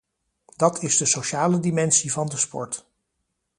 Dat is de sociale dimensie van de sport.